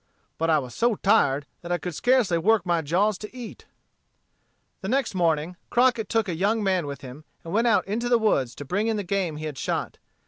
But I was so tired that I could scarcely work my jaws to eat." The next morning, Crockett took a young man with him and went out into the woods to bring in the game he had shot.